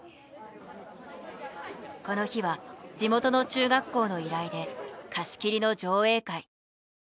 この日は地元の中学校の依頼で貸し切りの上映会。